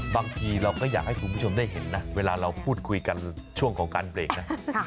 บางทีเราก็อยากให้คุณผู้ชมได้เห็นนะเวลาเราพูดคุยกันช่วงของการเบรกนะ